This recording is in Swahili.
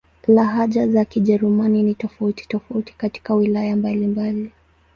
Lahaja za Kijerumani ni tofauti-tofauti katika wilaya mbalimbali.